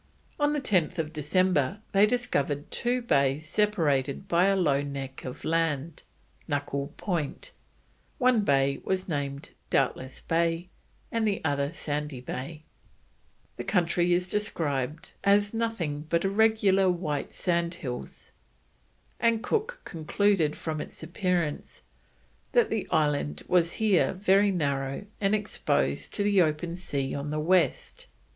On 10th December they discovered two bays separated by a low neck of land, Knuckle Point; one bay was named Doubtless Bay and the other Sandy Bay; the country is described as nothing but irregular white sandhills, and Cook concluded from its appearance that the island was here very narrow and exposed to the open sea on the west.